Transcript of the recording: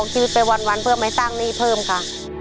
ชีวิตไปวันเพื่อไม่สร้างหนี้เพิ่มค่ะ